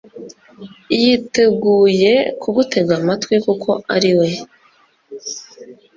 yiteguye kugutega amatwi kuko ari we